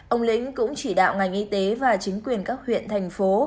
ông lĩnh cũng chỉ đạo ngành y tế và chính quyền các huyện thành phố